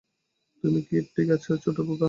তুমি ঠিক আছ, ছোট্ট পোকা?